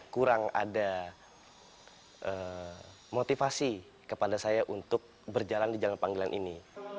kurang ada motivasi kepada saya untuk berjalan di jalan panggilan ini